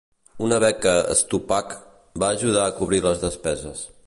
Una beca Stupak per ajudar a cobrir les despeses.